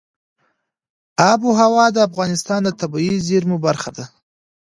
آب وهوا د افغانستان د طبیعي زیرمو برخه ده.